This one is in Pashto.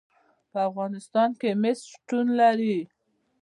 په افغانستان کې مس شتون لري.